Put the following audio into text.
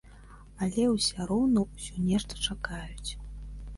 Але уся роўна ўсе нешта чакаюць.